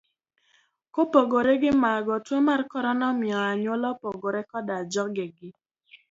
Kopogore gi mago, tuo mar korona omiyo anyuola opogore koda jogegi.